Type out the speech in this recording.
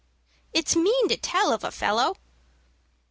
"It's mean to tell of a fellow."